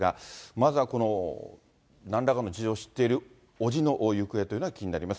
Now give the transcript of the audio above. まずはこのなんらかの事情を知っている伯父の行方というのが気になります。